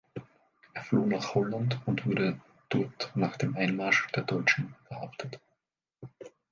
Er floh nach Holland und wurde dort nach dem Einmarsch der Deutschen verhaftet.